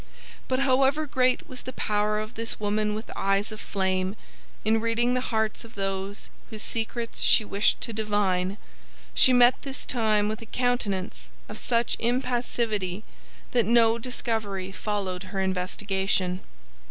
But however great was the power of this woman with eyes of flame in reading the hearts of those whose secrets she wished to divine, she met this time with a countenance of such impassivity that no discovery followed her investigation.